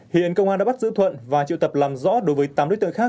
hiện công an đã bắt giữ thuận và triệu tập làm rõ đối với tám đối tượng khác